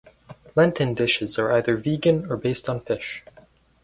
Lenten dishes are either vegan or based on fish.